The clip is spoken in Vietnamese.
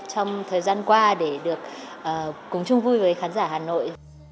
trong thời gian qua để được cùng chung vui với khán giả hà nội